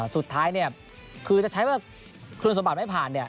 สุดท้ายเนี่ยคือจะใช้ว่าคุณสมบัติไม่ผ่าน